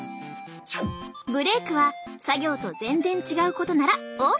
ブレークは作業と全然違うことならＯＫ！